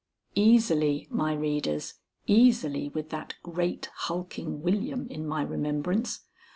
Easily, my readers, easily, with that great, hulking William in my remembrance.